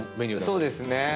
そうですね。